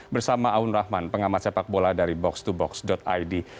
bersama aun rahman pengamat sepak bola dari box to box id